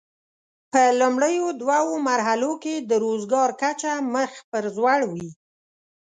په لومړیو دوو مرحلو کې د روزګار کچه مخ پر ځوړ وي.